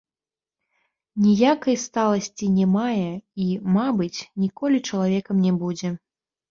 Ніякай сталасці не мае і, мабыць, ніколі чалавекам не будзе.